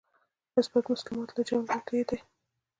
اثبات مسلمات له جملې دی.